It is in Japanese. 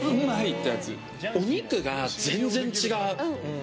お肉が全然、違う。